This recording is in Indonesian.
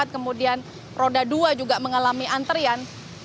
kemudian roda dua juga mengalami antrian